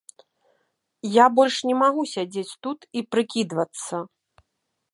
Я больш не магу сядзець тут і прыкідвацца.